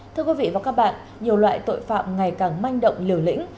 thưa quý vị và các bạn nhiều loại tội phạm ngày càng manh động liều lĩnh